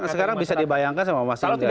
sekarang bisa dibayangkan sama mas indra